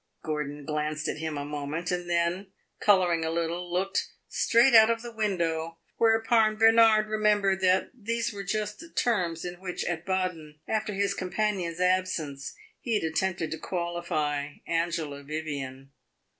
Gordon glanced at him a moment, and then, coloring a little, looked straight out of the window; whereupon Bernard remembered that these were just the terms in which, at Baden, after his companion's absence, he had attempted to qualify Angela Vivian.